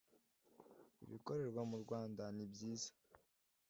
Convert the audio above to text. ibikorerwa mu Rwanda nibyiza.